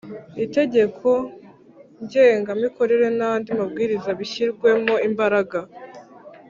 Itegekogengamikorere n andi mabwiriza bishyirwemo imbaraga